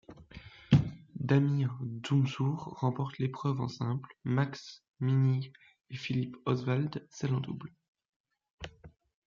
Damir Džumhur remporte l'épreuve en simple, Max Mirnyi et Philipp Oswald celle en double.